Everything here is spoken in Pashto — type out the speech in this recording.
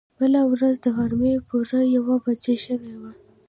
بله ورځ د غرمې پوره يوه بجه شوې وه.